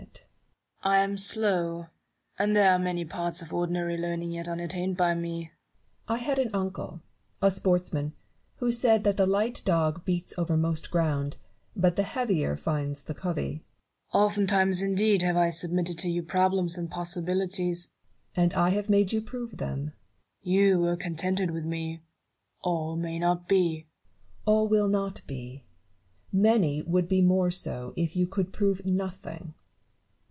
Newton. I am slow ; and there are many parts of ordinary learning yet unattained by me. Barrov}. I had an uncle, a sportsman, who said that the light dog beats over most ground, but the heavier finds the covey. Newton. Oftentimes indeed have I submitted to you problems and possibilities Barrow. And I have made you prove them. Newton. You were contented with me ; all may not be. Barrow. All will not be : many would be more so if you could prove nothing.